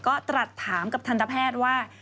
ก็ตรัสถามกับทันตแพทย์ว่า